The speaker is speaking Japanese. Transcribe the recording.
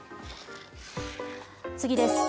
次です。